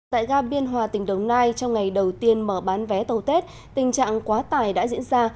tại ga biên hòa tỉnh đồng nai trong ngày đầu tiên mở bán vé tàu tết tình trạng quá tải đã diễn ra